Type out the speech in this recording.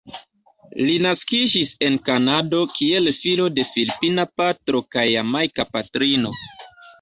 Li naskiĝis en Kanado kiel filo de filipina patro kaj jamajka patrino.